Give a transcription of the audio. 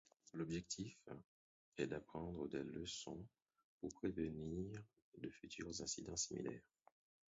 L'objectif est d'apprendre des leçons pour prévenir de futurs incidents similaires.